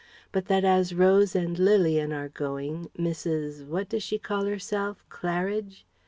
But that as Rose and Lilian are going, Mrs. what does she call herself, Claridge?"